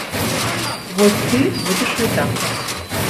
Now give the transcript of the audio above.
Вось ты будзеш рэдактар.